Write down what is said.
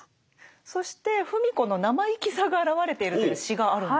そして芙美子の生意気さが表れているという詩があるんですね。